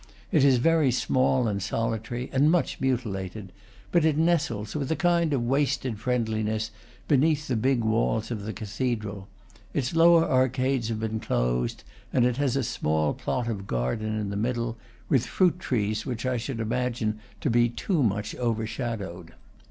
It is very small and solitary, and much mutilated; but it nestles with a kind of wasted friend liness beneath the big walls of the cathedral. Its lower arcades have been closed, and it has a small plot of garden in the middle, with fruit trees which I should imagine to be too much overshadowed.